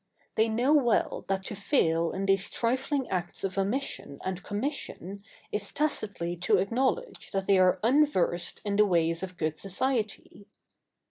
They know well that to fail in these trifling acts of omission and commission is tacitly to acknowledge that they are unversed in the ways of good society.